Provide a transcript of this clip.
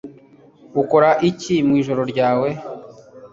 Ukora iki mwijoro ryawe